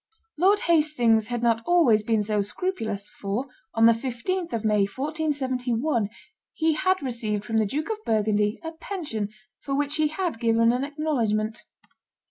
Lord Hastings had not always been so scrupulous, for, on the 15th of May, 1471, he had received from the Duke of Burgundy a pension for which he had given an acknowledgment.